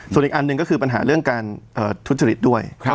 ส่วนอีกอันหนึ่งก็คือปัญหาเรื่องการทุจริตด้วย